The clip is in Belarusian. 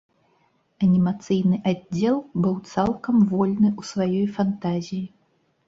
Анімацыйны аддзел быў цалкам вольны ў сваёй фантазіі.